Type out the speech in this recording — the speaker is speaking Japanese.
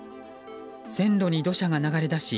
線路に土砂が流れ出し